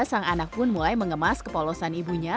sang anak pun mulai mengemas kepolosan ibunya